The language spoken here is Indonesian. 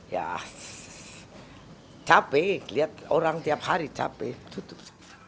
ya capek lihat orang tiap hari capek tutup